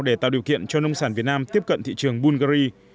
để tạo điều kiện cho nông sản việt nam tiếp cận thị trường bungary